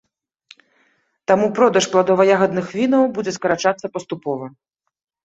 Таму продаж пладова-ягадных вінаў будзе скарачацца паступова.